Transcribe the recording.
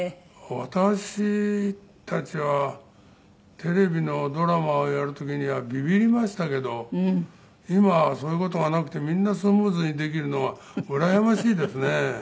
私たちはテレビのドラマをやる時にはビビりましたけど今はそういう事がなくてみんなスムーズにできるのはうらやましいですね。